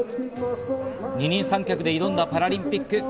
二人三脚で挑んだパラリンピック。